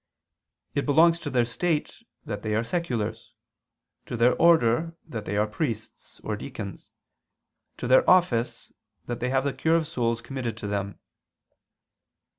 It belongs to their state that they are seculars, to their order that they are priests or deacons, to their office that they have the cure of souls committed to them.